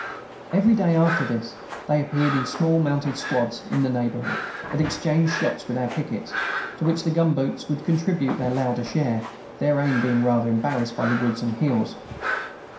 Every day, after this, they appeared in small mounted squads in the neighborhood, and exchanged shots with our pickets, to which the gunboats would contribute their louder share, their aim being rather embarrassed by the woods and hills.